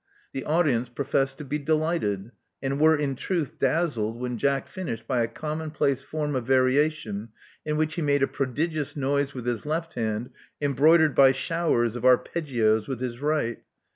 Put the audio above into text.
The audience professed to be delighted, and were in truth dazzled when Jack finished by a commonplace form of variation in which he made a prodigious noise with his left hand, embroidered by showers of arpeggios with his right.